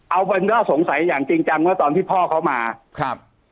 เอาเป็นว่าสงสัยอย่างจริงจังเมื่อตอนที่พ่อเขามาครับ